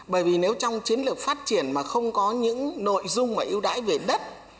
bởi vì nếu trong chiến lược phát triển mà không có những nội dung mà ưu đãi về đất